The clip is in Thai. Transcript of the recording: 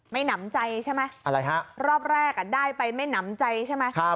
ไม่นำใจใช่ไหมอะไรฮะรอบแรกอ่ะได้ไปไม่นำใจใช่ไหมครับ